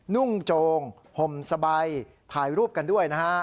นุ่งโจงห่มสบายถ่ายรูปกันด้วยนะฮะ